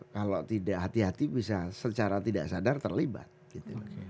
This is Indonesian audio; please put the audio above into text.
kalau tidak hati hati bisa secara tidak sadar terlibat gitu